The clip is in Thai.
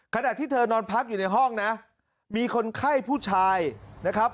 ขณะที่เธอนอนพักอยู่ในห้องนะมีคนไข้ผู้ชายนะครับ